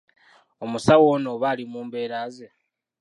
Omusawo nno oba ali mu mbeera ze!